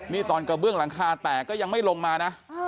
นี่ตอนกระเบื้องหลังคาแตกก็ยังไม่ลงมานะ